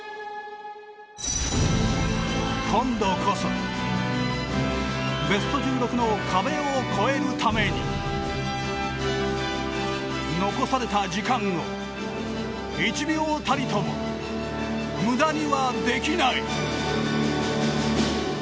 今度こそベスト１６の壁を越えるために残された時間を１秒たりとも無駄にはできない。